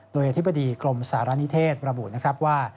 โดยอธิบดีกรมสารณิเทศระบุนะครับว่า